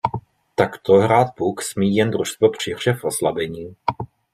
Takto hrát puk smí jen družstvo při hře v oslabení.